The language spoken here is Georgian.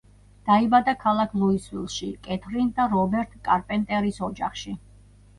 დაიბადა ქალაქ ლუისვილში კეთრინ და რობერტ კარპენტერის ოჯახში.